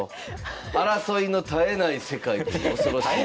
争いの絶えない世界という恐ろしい。